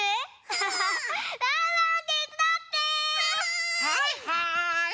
はいはい！